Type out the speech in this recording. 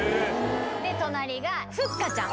で隣がふっかちゃん